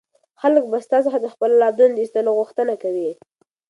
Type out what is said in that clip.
خلک به ستا څخه د خپلو اولادونو د ایستلو غوښتنه کوي.